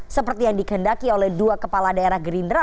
seperti yang dikendaki oleh dua kepala daerah gerindra